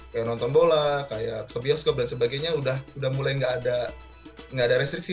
kayak nonton bola kayak ke bioskop dan sebagainya udah mulai nggak ada restriksi